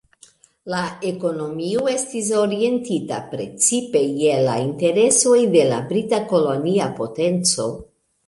La ekonomio estis orientita precipe je la interesoj de la brita kolonia potenco.